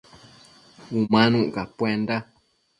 Umanuc capuenda